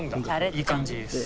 いい感じです。